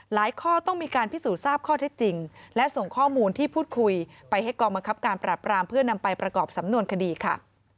ข้อต้องมีการพิสูจน์ทราบข้อเท็จจริงและส่งข้อมูลที่พูดคุยไปให้กองบังคับการปราบรามเพื่อนำไปประกอบสำนวนคดีค่ะ